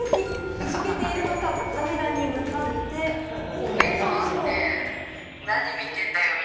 いじけているのか、カメラに向かってこの表情。